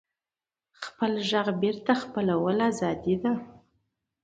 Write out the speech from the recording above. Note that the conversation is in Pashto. خپل غږ بېرته خپلول ازادي ده.